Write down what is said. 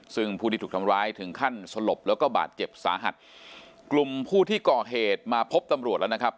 ซึ่งผู้ที่ถูกทำร้ายถึงขั้นสลบแล้วก็บาดเจ็บสาหัสกลุ่มผู้ที่ก่อเหตุมาพบตำรวจแล้วนะครับ